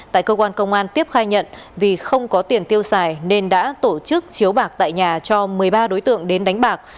tại cơ quan công an tiếp khai nhận vì không có tiền tiêu xài nên đã tổ chức chiếu bạc tại nhà cho một mươi ba đối tượng đến đánh bạc